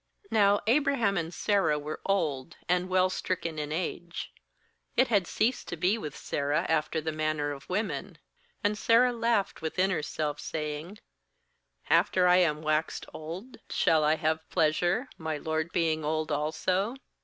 — llNow Abraham and Sarah were old, and well stricken in age; it had ceased to be with Sarah after the manner of women. — 12And Sarah laughed within herself, saying: 'After I am waxed old shall I have pleasure, my lord being old also?'